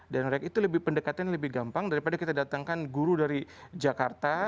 dan mereka itu lebih pendekatan lebih gampang daripada kita datangkan guru dari jakarta